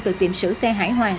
từ tiệm sửa xe hải hoàng